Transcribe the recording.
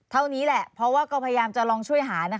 เท่านี้แหละเพราะว่าก็พยายามจะลองช่วยหา